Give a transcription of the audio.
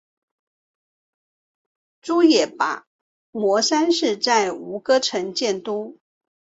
阇耶跋摩三世在吴哥城建都。